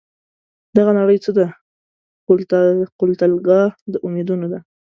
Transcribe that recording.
دغه نړۍ څه ده؟ قتلګاه د امیدونو ده